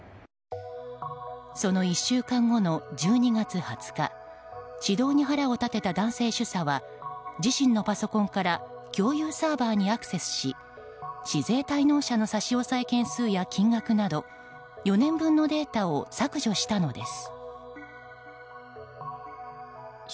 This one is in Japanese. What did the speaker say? その１週間後の１２月２０日指導に腹を立てた男性主査は自身のパソコンから共有サーバーにアクセスし市税滞納者の差し押さえ件数や金額など４年分のデータを削除したのです。